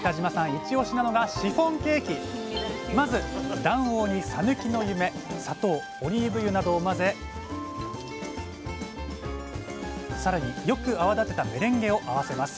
いちおしなのがまず卵黄にさぬきの夢砂糖オリーブ油などを混ぜ更によく泡立てたメレンゲを合わせます。